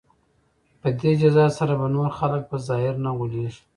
په دې جزا سره به نور خلک په ظاهر نه غولیږي.